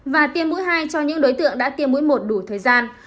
và tiêm mũi hai cho những đối tượng đã tiêm mũi một đủ thời gian